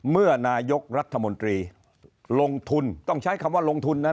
เมื่อนายกรัฐมนตรีลงทุนต้องใช้คำว่าลงทุนนะ